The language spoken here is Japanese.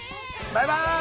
バイバイ。